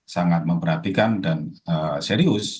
sangat memperhatikan dan serius